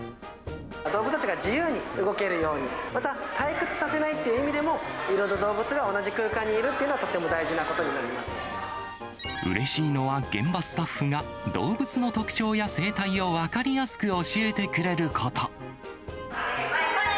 動物たちが自由に動けるように、また退屈させないって意味でも、いろんな動物が同じ空間にいるということがとても大事なことになうれしいのは、現場スタッフが動物たちの特徴や生態を詳しく教えてくれること。